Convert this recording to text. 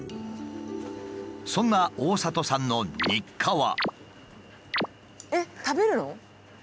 そんな大里さんの日課は。